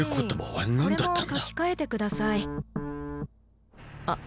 これも書き換えてくださいあっ